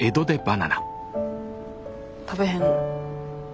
食べへんの？え？